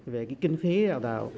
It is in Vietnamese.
về kinh phí đào tạo